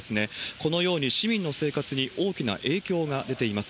このように市民の生活に大きな影響が出ています。